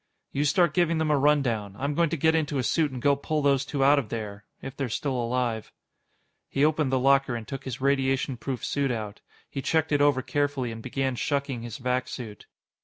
"You start giving them a rundown. I'm going to get into a suit and go pull those two out of there if they're still alive." He opened the locker and took his radiation proof suit out. He checked it over carefully and began shucking his vac suit.